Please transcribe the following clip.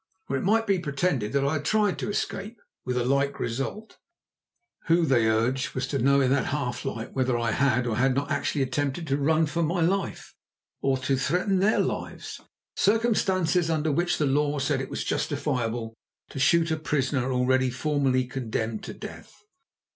Or it might be pretended that I had tried to escape, with a like result. Who, they urged, was to know in that half light whether I had or had not actually attempted to run for my life, or to threaten their lives, circumstances under which the law said it was justifiable to shoot a prisoner already formally condemned to death?